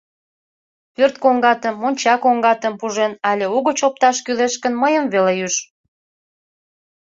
— Пӧрт коҥгатым, монча коҥгатым пужен але угыч опташ кӱлеш гын, мыйым веле ӱж.